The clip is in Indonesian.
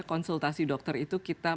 konsultasi dokter itu kita